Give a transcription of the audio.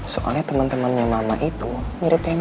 soalnya temen temennya mama itu mirip kayak mama